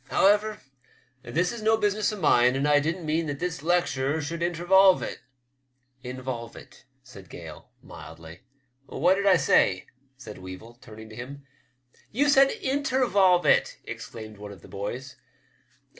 However, this is no business of mine, and I didn't mean that this lecture should inter volve it." " Involve it," said Gale, mildly. " What did I say ?" said Weevil, turning to him. " You said intervolve it !" exclaimed one of the boys.